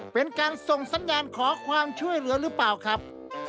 เป็นการส่งสัญญาณขอความช่วยเหลือหรือเปล่าครับ